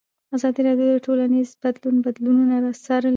ازادي راډیو د ټولنیز بدلون بدلونونه څارلي.